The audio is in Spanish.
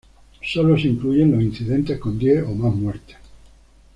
Sólo se incluyen los incidentes con diez o más muertes.